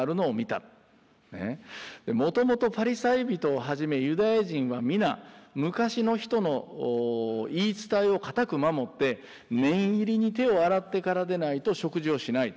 もともとパリサイ人をはじめユダヤ人は皆昔の人の言い伝えを固く守って念入りに手を洗ってからでないと食事をしない。